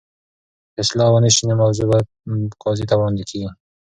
که اصلاح ونه شي، موضوع قاضي ته وړاندي کیږي.